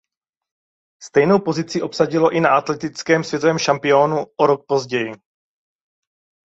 Stejnou pozici obsadilo i na atletickém světovém šampionátu o rok později.